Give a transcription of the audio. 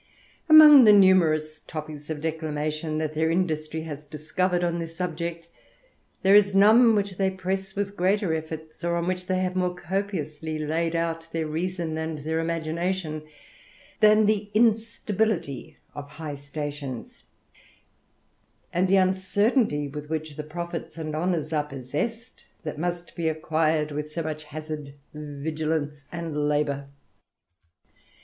Among the numerous topicks of declamation, that thei industry has discovered on this subject, there is none whid THE RAMBLER. 37 they press with greater efforts, or on which they have more copiously laid out their reason and their imagination, than the instability of high stations, and the uncertainty with which the profits and honours are possessed, that must be acquired with so much hazard, vigilance, and labour.